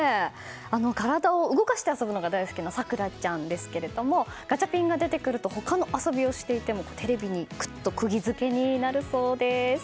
体を動かして遊ぶのが大好きなさくらちゃんですけどもガチャピンが出てくると他の遊びをしていてもテレビに釘付けになるそうです。